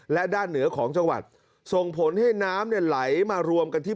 และด้านเหนือของจังหวัดส่งผลให้น้ำเนี่ยไหลมารวมกันที่